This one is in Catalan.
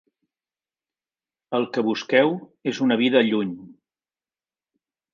El que busqueu és una vida lluny.